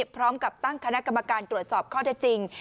พร้อมกับตั้งคณะกรรมการตรวจสอบข้อเท็จจริง